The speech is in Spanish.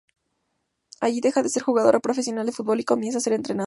Allí deja de ser jugador profesional de fútbol y comienza a ser entrenador.